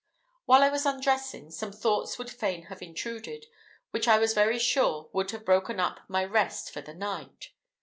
While I was undressing, some thoughts would fain have intruded, which I was very sure would have broken up my rest for the night.